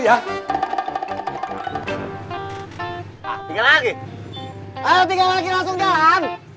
iya dek bisa langsung jalan